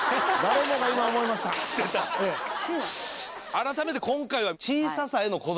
改めて今回は。